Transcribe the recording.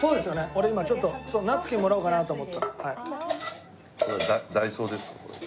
俺今ナプキンもらおうかなと思った。